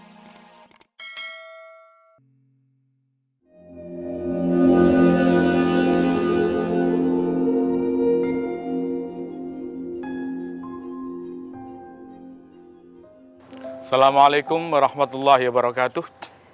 assalamualaikum warahmatullahi wabarakatuh